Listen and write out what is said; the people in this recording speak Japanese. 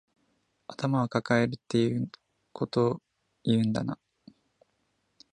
頭かかえるってこういうこと言うんだな